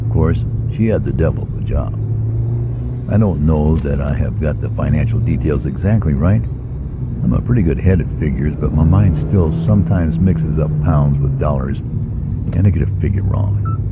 Of course she had the devil of a job. I don't know that I have got the financial details exactly right. I am a pretty good head at figures, but my mind, still, sometimes mixes up pounds with dollars and I get a figure wrong.